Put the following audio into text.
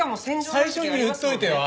最初に言っといてよ。